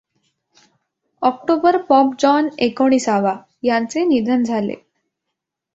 October pope John एकोणिसावा यांचे निधन झाले.